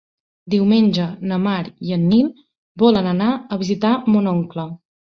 Diumenge na Mar i en Nil volen anar a visitar mon oncle.